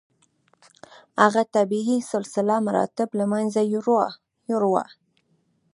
هغه طبیعي سلسله مراتب له منځه یووړه.